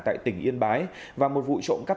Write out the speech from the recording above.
tại tỉnh yên bái và một vụ trộn cắp